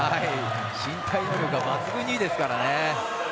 身体能力が抜群にいいですからね。